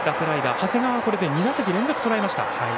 長谷川、これで２打席連続とらえました。